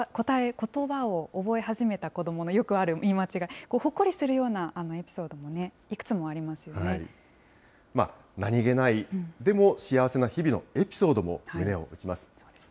ことばを覚え始めた子どものよくある言い間違い、ほっこりするようなエピソードもね、いくつ何気ない、でも幸せな日々のエピソードも胸を打ちます。